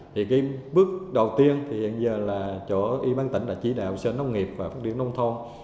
thì cái bước đầu tiên thì hiện giờ là chỗ y bác tỉnh đã chỉ đạo sở nông nghiệp và phát triển nông thôn